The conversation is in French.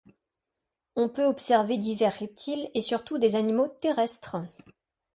On peut observer divers reptiles et surtout des animaux terrestre.